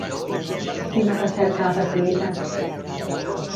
Quina recerca ha facilitat?